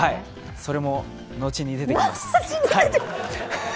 それも後に出てきます。